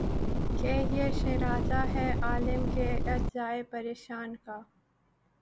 کہ یہ شیرازہ ہے عالم کے اجزائے پریشاں کا